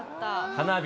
花火。